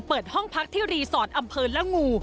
เปิดห้องพักที่รีสอร์ทอำเภอละงู